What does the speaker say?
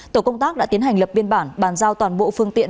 tổ công tác đã tiến hành lập biên bản bàn giao toàn bộ phương tiện